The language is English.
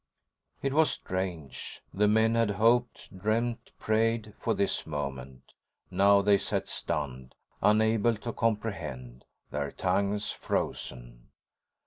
It was strange. The men had hoped, dreamed, prayed for this moment. Now they sat stunned, unable to comprehend, their tongues frozen.